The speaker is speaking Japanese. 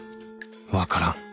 分からん